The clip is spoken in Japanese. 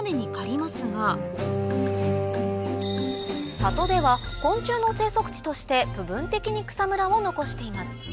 里では昆虫の生息地として部分的に草むらを残しています